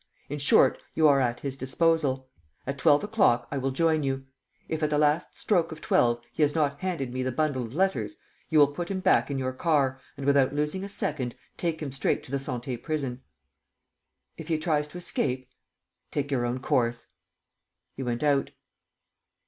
In short, you are at his disposal. At twelve o'clock, I will join you. If, at the last stroke of twelve, he has not handed me the bundle of letters, you will put him back in your car and, without losing a second, take him straight to the Santé Prison." "If he tries to escape. ..." "Take your own course." He went out.